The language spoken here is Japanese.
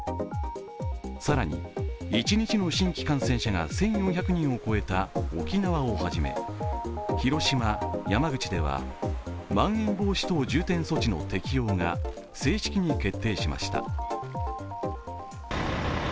更に、一日の新規感染者が１４００人を超えた沖縄をはじめ広島、山口ではまん延防止等重点措置の適用が正式に決定しました。